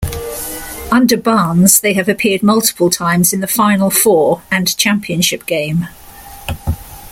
Under Barnes they have appeared multiple times in the Final Four and Championship Game.